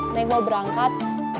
neng mau berangkat